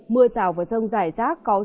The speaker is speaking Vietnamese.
mưa rào và rông dài rác